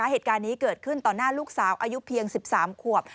เหตุการณ์นี้เกิดขึ้นต่อหน้าลูกสาวอายุเพียง๑๓ขวบ